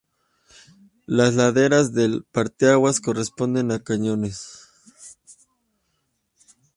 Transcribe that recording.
Las laderas del parteaguas corresponden a cañones.